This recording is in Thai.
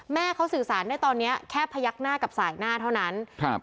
แม่เขาสื่อสารได้ตอนเนี้ยแค่พยักหน้ากับสายหน้าเท่านั้นครับ